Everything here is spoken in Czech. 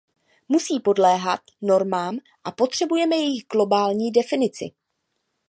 Musí podléhat normám a potřebujeme jejich globální definici.